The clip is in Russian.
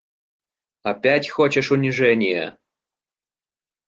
Опять хочешь унижения!